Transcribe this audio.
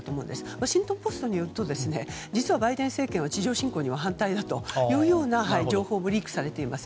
ワシントン・ポストによると実はバイデン政権は地上侵攻に反対だという情報もリークされています。